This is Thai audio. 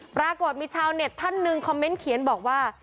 ปรากฏมีชาวเน็ตท่านหนึ่งคอมเมนต์เขียนบอกว่า